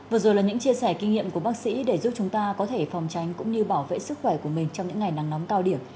vừa rồi là những chia sẻ kinh nghiệm của bác sĩ để giúp chúng ta có thể phòng tránh cũng như bảo vệ sức khỏe của mình trong những ngày nắng nóng cao điểm